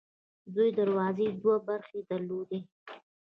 دې دروازې دوه برخې درلودې.